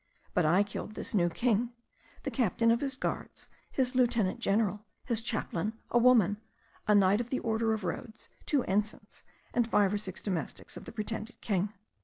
But I killed this new king, the captain of his guards, his lieutenant general, his chaplain, a woman, a knight of the order of Rhodes, two ensigns, and five or six domestics of the pretended king.